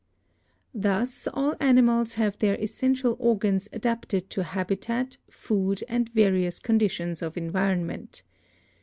Thus all animals have their essential organs adapted to habitat, food and various conditions of environment.